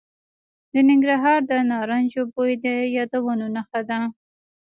د ننګرهار د نارنجو بوی د یادونو نښه ده.